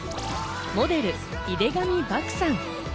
モデル・井手上漠さん。